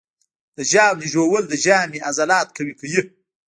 د ژاولې ژوول د ژامې عضلات قوي کوي.